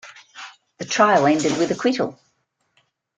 The trial ended with acquittal.